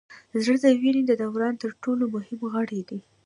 زړه د وینې د دوران تر ټولو مهم غړی دی